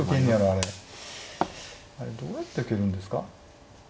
あれどうやって受けるんですか。